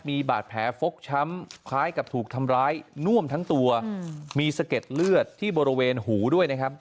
มีบาดแผลฟกช้ำคล้ายกับถูกทำร้ายน่วมทั้งตัวมีสะเก็ดเลือดที่บริเวณหูด้วยนะครับ